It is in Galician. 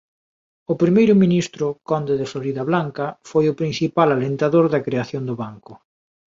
O primeiro ministro, Conde de Floridablanca, foi o principal alentador da creación do banco.